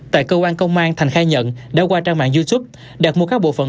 tại cơ quan công an thành khai nhận đã qua trang mạng youtube đạt mua các bộ phận